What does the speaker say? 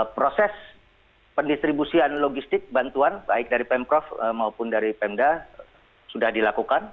proses pendistribusian logistik bantuan baik dari pemprov maupun dari pemda sudah dilakukan